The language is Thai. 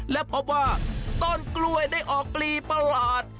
และพบว่าต้นกล้วยได้ออกปลีประหลาด